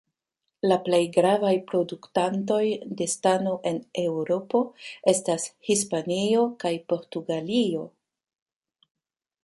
La plej gravaj produktantoj de stano en Eŭropo estas Hispanio kaj Portugalio.